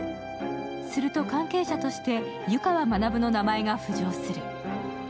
すると関係者として湯川学の名前が浮上する。